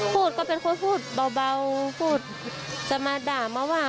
พูดก็เป็นคนพูดเบาพูดจะมาด่ามาว่า